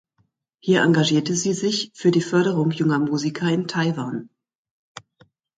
Hier engagierte sie sich für die Förderung junger Musiker in Taiwan.